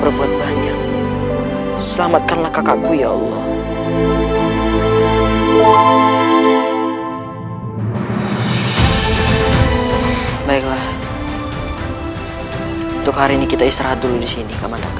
rai itu raka walang sungsang